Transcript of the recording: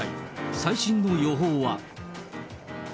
最新の予報は。